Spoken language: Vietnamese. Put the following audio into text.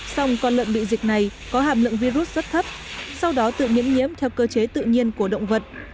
sông con lợn bị dịch này có hàm lượng virus rất thấp sau đó tự nhiễm nhiễm theo cơ chế tự nhiên của động vật